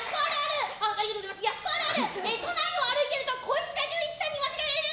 やす子あるある都内を歩いてると石田純一さんに間違えられる！